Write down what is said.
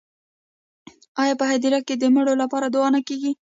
آیا په هدیره کې د مړو لپاره دعا نه کیږي؟